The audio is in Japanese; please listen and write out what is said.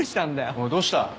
・おいどうした？